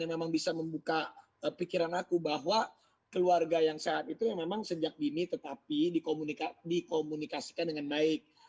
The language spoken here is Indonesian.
yang memang bisa membuka pikiran aku bahwa keluarga yang sehat itu memang sejak dini tetapi dikomunikasikan dengan baik